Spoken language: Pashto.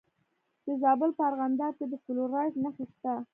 د زابل په ارغنداب کې د فلورایټ نښې شته.